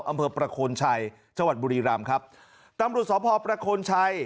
อำเภอประโคนชัยจังหวัดบุรีรำครับตำรวจสพประโคนชัย